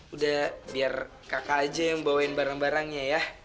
udah biar kakak aja yang bawain barang barangnya ya